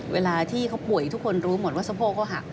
เวลาที่เขาป่วยทุกคนรู้หมดว่าสะโพกเขาหัก